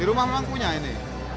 di rumah memang punya ini